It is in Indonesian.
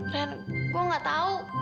ren gue nggak tahu